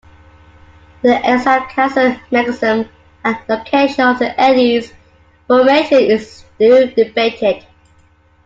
The exact causal mechanism, and location of the eddies formation is still debated.